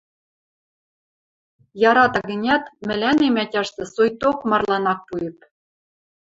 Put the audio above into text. – Ярата гӹнят, мӹлӓнем ӓтяштӹ соикток марлан ак пуэп».